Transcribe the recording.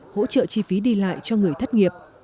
hỗ trợ chi phí đi lại cho người thất nghiệp